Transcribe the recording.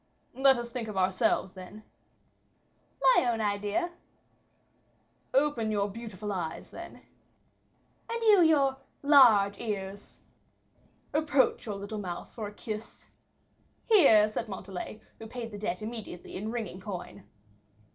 "Let us think of ourselves, then." "My own idea." "Open your beautiful eyes, then." "And you your large ears." "Approach your little mouth for a kiss." "Here," said Montalais, who paid the debt immediately in ringing coin.